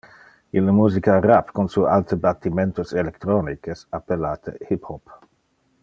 Ille musica rap con su alte battimentos electronic es appellate hip-hop.